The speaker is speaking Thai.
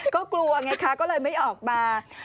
ก็กลัวไงคะก็เลยไม่ออกมา